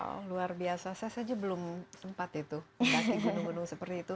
wow luar biasa saya saja belum sempat itu kasih gunung gunung seperti itu